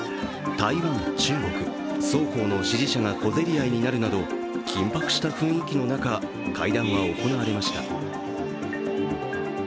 台湾、中国双方の支持者が小競り合いになるなど緊迫した雰囲気の中、会談は行われました。